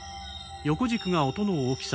横軸が音の大きさ。